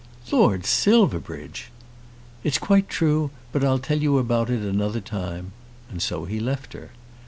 "Lord Silverbridge!" "It's quite true, but I'll tell you all about it another time," and so he left her.